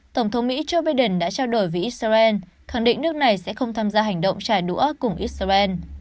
tổng thống mỹ joe biden đã trao đổi với israel khẳng định nước này sẽ không tham gia hành động trả đũa cùng israel